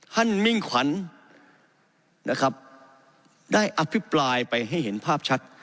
มิ่งขวัญนะครับได้อภิปรายไปให้เห็นภาพชัด